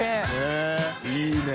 いいね。